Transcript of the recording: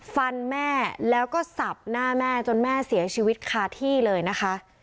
แม่แล้วก็สับหน้าแม่จนแม่เสียชีวิตคาที่เลยนะคะ